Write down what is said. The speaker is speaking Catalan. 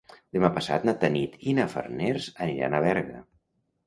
Demà passat na Tanit i na Farners aniran a Berga.